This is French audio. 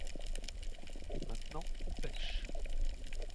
Maintenant on pêche.